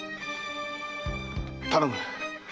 頼む